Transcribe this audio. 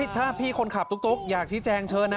ถ้าพี่คนขับตุ๊กอยากชี้แจงเชิญนะ